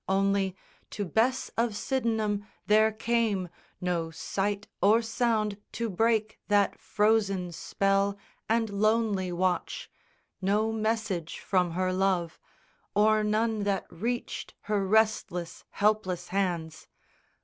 Only, to Bess of Sydenham, there came No sight or sound to break that frozen spell And lonely watch, no message from her love, Or none that reached her restless helpless hands.